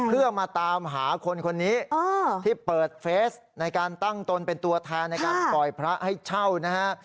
เพื่อมาตามหาคนคนนี้ที่เปิดเฟสในการตั้งตนเป็นตัวแทนในการปล่อยพระให้เช่านะฮะ